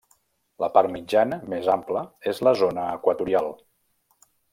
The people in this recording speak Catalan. La part mitjana, més ampla, és la zona equatorial.